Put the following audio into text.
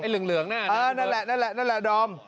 ไอ้เหลืองหน้าดิมเบอร์กะเออนั่นแหละดอม